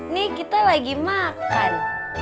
nih kita lagi makan